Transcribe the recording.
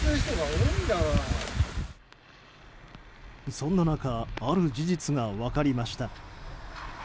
そんな中ある事実が分かりました。